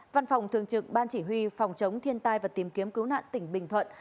văn phòng thường trực ban chỉ huy phòng chống thiên tai và tìm kiếm cứu nạn tỉnh bình thuận